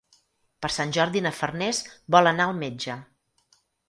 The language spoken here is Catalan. Per Sant Jordi na Farners vol anar al metge.